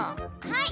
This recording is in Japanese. はい！